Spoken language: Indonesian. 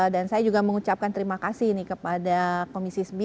dan saya juga mengucapkan terima kasih nih kepada komisi sembilan